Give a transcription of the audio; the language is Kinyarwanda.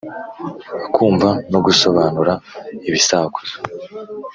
Kumva no gusobanura ibisakuzo.